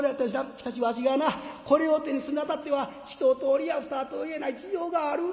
しかしわしがなこれを手にするにあたっては一とおりや二とおりやない事情がある」。